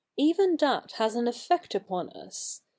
Even that has an effect upon us.